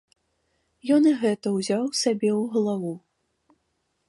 Ён і гэта ўзяў сабе ў галаву.